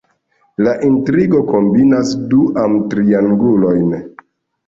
La intrigo kombinas du amtriangulojn.